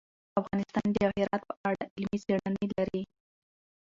افغانستان د جواهرات په اړه علمي څېړنې لري.